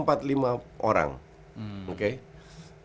pada saat disuruh bermain dengan saya